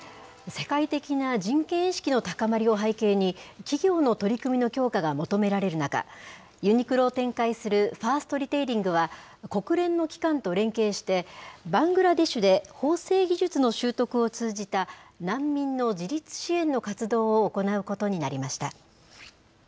世界的な人権意識の高まりを背景に、企業の取り組みの強化が求められる中、ユニクロを展開するファーストリテイリングは、国連の機関と連携して、バングラデシュで縫製技術の習得を通じた難民の自立支援の活動を行うことになりました。